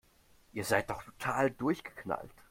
Ihr seid doch total durchgeknallt